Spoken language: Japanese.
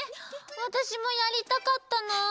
わたしもやりたかったな。